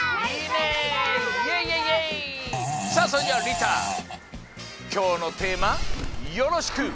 さあそれじゃありたきょうのテーマよろしく。